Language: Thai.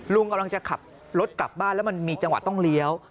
ลุงกำลังจะขับรถกลับบ้านแล้วมันมีจังหวะต้องเลี้ยว